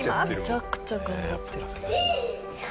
めちゃくちゃ頑張ってる。